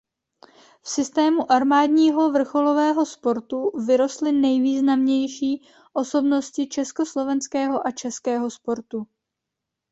V systému armádního vrcholového sportu vyrostly nejvýznamnější osobnosti československého a českého sportu.